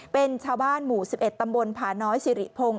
เป็นชาวบ้านหมู่๑๑ตำบลผาน้อยสิริพงศ